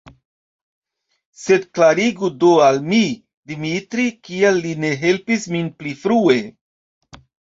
Sed klarigu do al mi, Dimitri, kial li ne helpis min pli frue.